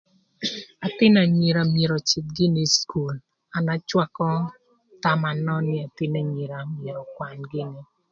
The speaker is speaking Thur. Ëthïnö anyira myero öcïdh gïnï ï cukul. An acwakö thama nön nï ëthïnö anyira myero ökwan gïnï.